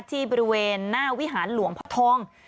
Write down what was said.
ที่บริเวณหน้าวิหารหลวงพ่อทอง